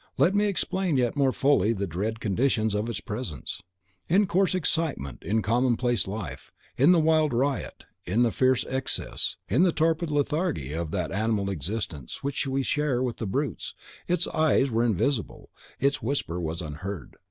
Let me explain yet more fully the dread conditions of its presence. In coarse excitement, in commonplace life, in the wild riot, in the fierce excess, in the torpid lethargy of that animal existence which we share with the brutes, its eyes were invisible, its whisper was unheard.